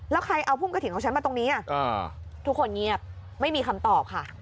แล้วใครเอาพุ่มกระถิ่นของฉันมาตรงนี้ทุกคนเงียบไม่มีคำตอบค่ะ